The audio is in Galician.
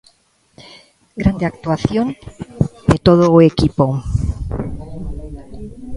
Grande actuación de todo o equipo.